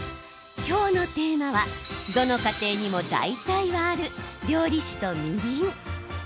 今日のテーマはどの家庭にも大体はある料理酒とみりん。